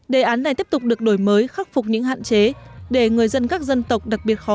đề án này tiếp tục được đổi mới khắc phục những hạn chế để người dân các dân tộc đặc biệt khó